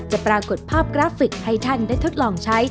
ปรากฏภาพกราฟิกให้ท่านได้ทดลองใช้